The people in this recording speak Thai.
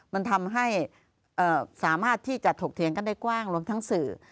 มันทำให้สามารถที่จะถกเถียงกันได้กว้างรวมทั้งสื่อ